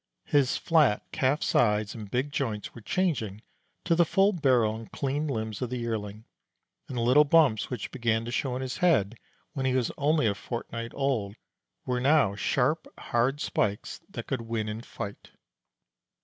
His flat calf sides and big joints were changing to the full barrel and clean limbs of the Yearling, and the little bumps which began to show on his head when he was only a fortnight old were now sharp, hard spikes that could win in fight.